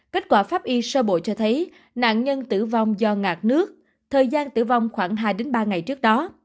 kết quả pháp y sơ bộ cho thấy nạn nhân tử vong do ngạt nước thời gian tử vong khoảng hai ba ngày trước đó